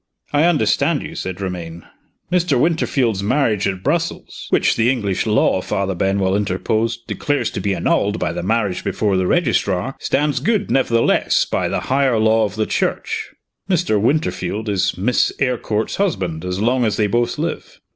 "I understand you," said Romayne. "Mr. Winterfield's marriage at Brussels " "Which the English law," Father Benwell interposed, "declares to be annulled by the marriage before the registrar, stands good, nevertheless, by the higher law of the Church. Mr. Winterfield is Miss Eyrecourt's husband, as long as they both live.